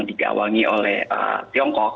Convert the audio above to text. digawangi oleh tiongkok